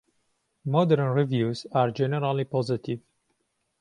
Modern reviews are generally positive.